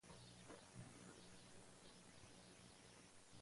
Andreas Kisser fue quien propuso el nombre "De La Tierra".